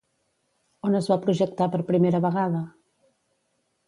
On es va projectar per primera vegada?